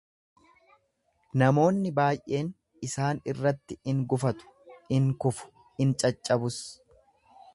Namoonni baay'een isaan irratti in gufatu, in kufu, in caccabus.